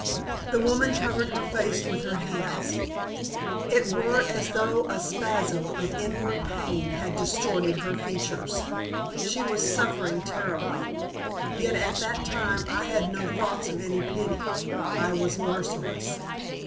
The woman covered her face with her hands. It were as though a spasm of inward pain had distorted her features. She was suffering terribly. Yet at that time I had no thoughts of any pity. I was merciless.